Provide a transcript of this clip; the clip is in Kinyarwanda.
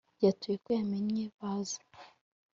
Yatuye ko yamennye vase